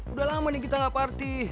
udah lama nih kita gak parti